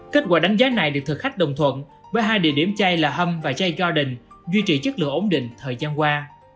kết quả đánh giá này được thực khách đồng thuận với hai địa điểm chay là hum và jay garden duy trì chất lượng ổn định thời gian qua